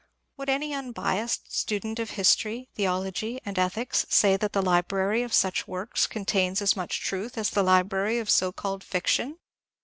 Would any unbiased student of history, theology, and ethics say tliat the library of such works contains as much truth as the library of so called fiction